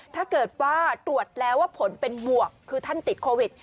ถ้าเกิดว่าตรวจแล้วว่าผลเป็นบวกคือท่านติดโควิด